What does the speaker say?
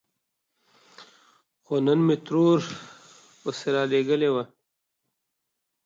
خو نن مې ترور سړی پسې رالېږلی و.